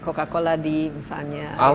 coca cola di misalnya negara lain